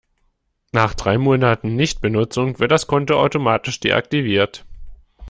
Nach drei Monaten Nichtbenutzung wird das Konto automatisch deaktiviert.